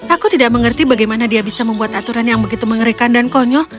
aku tidak mengerti bagaimana dia bisa membuat aturan yang begitu mengerikan dan konyol